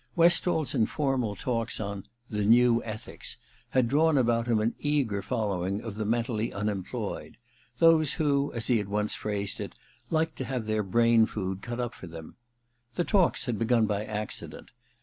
Westall's informal talks on * The New Ethics * had drawn about him an eager following of the mentally unemployed — those who, as he had once phrased it, Uked to have their brain food cut up for them. The talks had begun by accident.